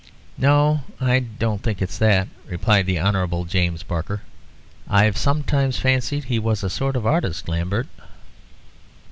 "No, I don't think it's that," replied the Honourable James Barker. "I've sometimes fancied he was a sort of artist, Lambert."